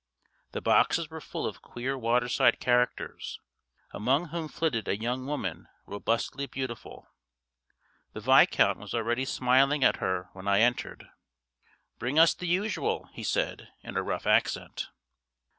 The boxes were full of queer waterside characters, among whom flitted a young woman robustly beautiful. The Viscount was already smiling at her when I entered. "Bring us the usual," he said, in a rough accent.